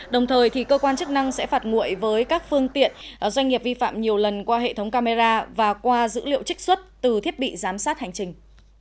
đồng thời cơ quan chức năng sẽ phạt nguội với các phương tiện doanh nghiệp vi phạm nhiều lần qua hệ thống camera và qua dữ liệu trích xuất từ thiết bị giám sát hành trình